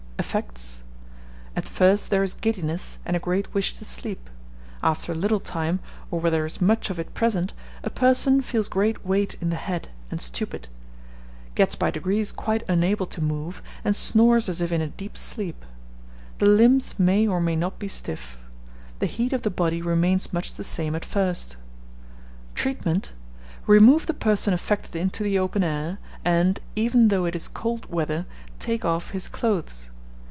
Effects. At first there is giddiness, and a great wish to sleep; after a little time, or where there is much of it present, a person feels great weight in the head, and stupid; gets by degrees quite unable to move, and snores as if in a deep sleep. The limbs may or may not be stiff. The heat of the body remains much the same at first. Treatment. Remove the person affected into the open air, and, even though it is cold weather, take off his clothes.